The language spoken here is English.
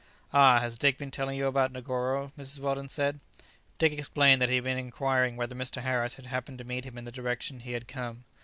"Ah! has Dick been telling you about Negoro?" Mrs. Weldon said. Dick explained that he had been inquiring whether Mr. Harris had happened to meet him in the direction he had come.